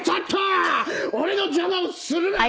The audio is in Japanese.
俺の邪魔をするなよお前！